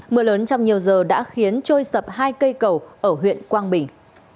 mưa lớn trong nhiều giờ đã khiến trôi sập hai cây cầu ở huyện quang bình